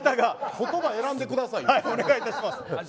言葉選んでください。